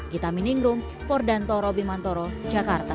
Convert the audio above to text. kita mining room fordanto robimantoro jakarta